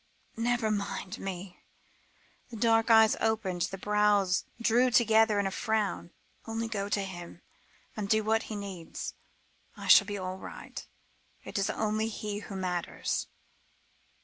"Never mind me," the dark eyes opened, the brows drew together in a frown; "only go to him and do what he needs. I shall be all right; it is only he who matters."